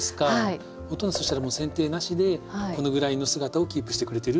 そしたらせん定なしでこのぐらいの姿をキープしてくれてるっていう。